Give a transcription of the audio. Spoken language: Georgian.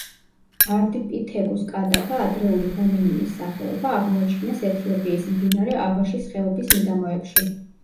არდიპითეკუს კადაბა, ადრეული ჰომინინის სახეობა, აღმოაჩინეს ეთიოპიის მდინარე ავაშის ხეობის მიდამოებში.